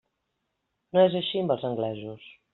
No és així amb els anglesos.